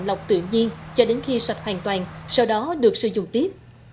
lọc tự nhiên cho đến khi sạch hoàn toàn sau đó được sử dụng tiếp